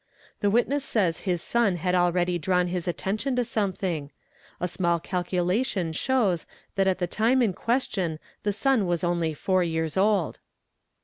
' The witness says his son had already drawn his attention to something; a small calculation shows that at the time in question the son was only four years old.